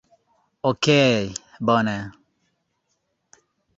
Okej' bone